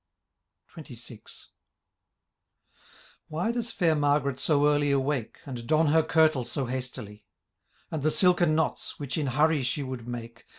XXVI. Why does fair Margaret so early awake. And don her kirtle so hastilie ; And the silkenknot8,whichin hurry she would make.